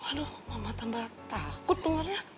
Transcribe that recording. waduh mama tambah takut dengarnya